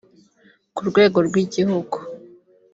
Ku rwego rw’igihugu